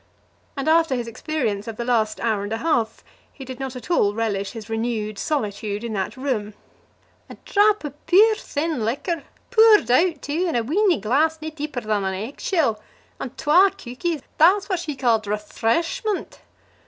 And after his experience of the last hour and a half, he did not at all relish his renewed solitude in that room. "A drap of puir thin liquor, poored out, too, in a weeny glass nae deeper than an egg shell, and twa cookies; that's what she ca'ed rafrashment!"